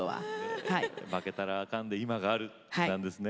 負けたらあかんで今があるなんですね。